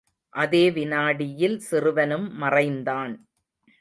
அதே வினாடியில் சிறுவனும் மறைந்தான்.